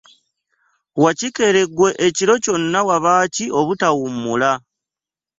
Wakikere gwe ekiro kyonna waba ki obutawummula?